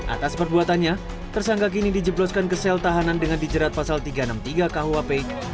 atas perbuatannya tersangka kini dijebloskan ke sel tahanan dengan dijerat pasal tiga ratus enam puluh tiga kuhp